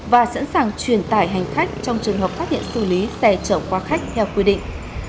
và sẵn sàng truyền tải hành khách trong trường hợp phát hiện xử lý xe chở quá khách theo quy định